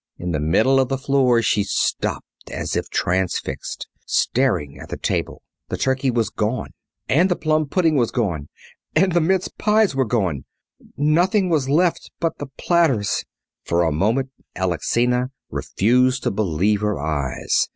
In the middle of the floor she stopped as if transfixed, staring at the table. The turkey was gone. And the plum pudding was gone! And the mince pies were gone! Nothing was left but the platters! For a moment Alexina refused to believe her eyes.